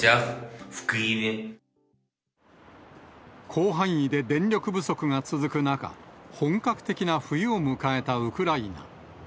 広範囲で電力不足が続く中、本格的な冬を迎えたウクライナ。